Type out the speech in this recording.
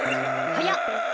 はやっ！